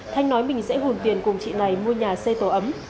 thanh nói mình sẽ hồn tiền cùng chị này mua nhà xây tổ ấm